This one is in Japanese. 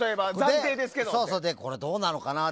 これ、どうなのかなって。